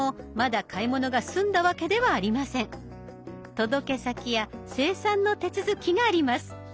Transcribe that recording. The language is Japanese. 届け先や精算の手続きがあります。